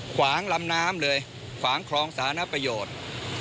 ขวางลำน้ำเลยขวางคลองสานประโยชน์